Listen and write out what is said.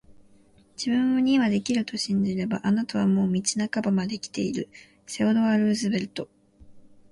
自分にはできると信じれば、あなたはもう道半ばまで来ている～セオドア・ルーズベルト～